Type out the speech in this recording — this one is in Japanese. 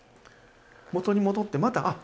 元に戻ってまたあっ